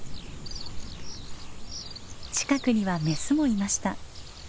近くにはメスもいました。